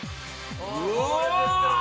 うわ！